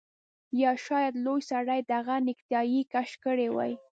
یا شاید لوی سړي د هغه نیکټايي کش کړې وي